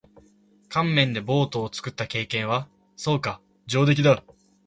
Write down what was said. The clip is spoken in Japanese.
乾麺でボートを作った経験は？そうか。上出来だ。